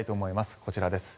こちらです。